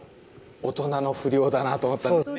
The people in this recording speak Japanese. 大人の不良だなと思ったんですね。